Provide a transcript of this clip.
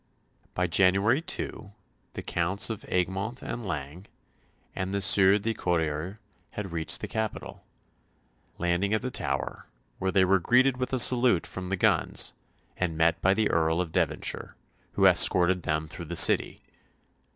By January 2 the Counts of Egmont and Laing and the Sieur de Corriers had reached the capital; landing at the Tower, where they were greeted with a salute from the guns, and met by the Earl of Devonshire, who escorted them through the City.